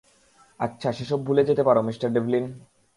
আচ্ছা, সেসব ভুলে যেতে পারো, মিঃ - ডেভলিন।